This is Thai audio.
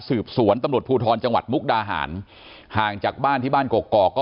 สืบสวนตำรวจภูทรจังหวัดมุกดาหารห่างจากบ้านที่บ้านกอกก็